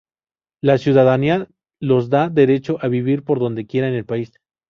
La ciudadanía los da derecho a vivir donde quieran en el país.